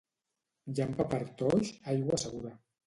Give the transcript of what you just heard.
Llampa per Toix, aigua segura